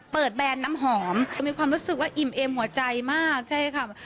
แบรนด์น้ำหอมจะมีความรู้สึกว่าอิ่มเอ็มหัวใจมากใช่ค่ะ